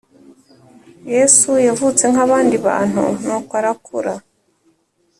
Yesu yavutse nk’abandi bantu nuko arakura